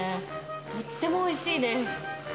とってもおいしいです。